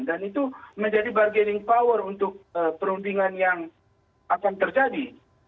dan itu menjadi bargaining power untuk perundingan yang akan terjadi